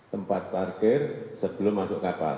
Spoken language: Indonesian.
tempat parkir sebelum masuk kapal